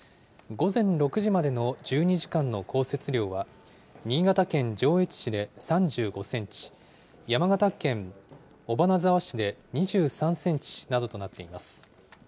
午前６時までの１２時間の降雪量は、新潟県上越市で３５センチ、山形県尾花沢市で２３センチなどとなっています。